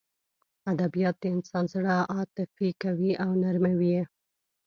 ادبیات د انسان زړه عاطفي کوي او نرموي یې